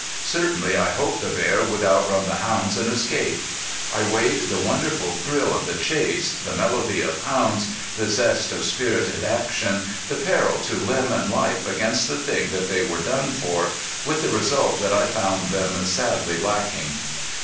Certainly I hoped the bear would outrun the hounds and escape. I weighed the wonderful thrill of the chase, the melody of hounds, the zest of spirited action, the peril to limb and life against the thing that they were done for, with the result that I found them sadly lacking.